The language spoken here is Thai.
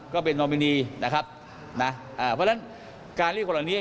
ก็เป็นนอมินีนะครับนะอ่าเพราะฉะนั้นการเรียกคนเหล่านี้